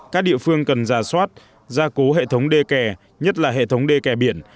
cần giả soát gia cố hệ thống đê kè nhất là hệ thống đê kè biển